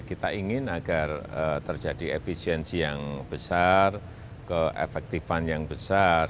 kita ingin agar terjadi efisiensi yang besar keefektifan yang besar